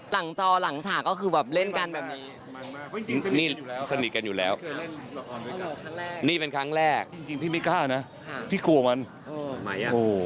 หลังจอหลังฉากเค้าก็แบบเล่นกันแบบนี้